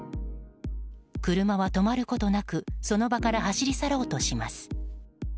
車は止まることなくその場から走り去ろうとします。